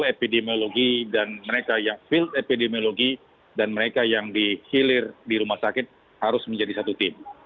epidemiologi dan mereka yang field epidemiologi dan mereka yang dihilir di rumah sakit harus menjadi satu tim